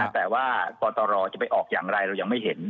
แต่ว่ากตรจะไปออกอย่างไรเรายังไม่เห็น